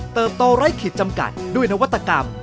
เติบต่อไร้คิดจำกัดด้วยนวัตกรรม